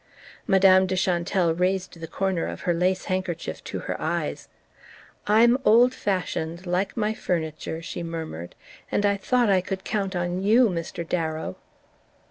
Madame de Chantelle raised the corner of her lace handkerchief to her eyes. "I'm old fashioned like my furniture," she murmured. "And I thought I could count on you, Mr. Darrow..."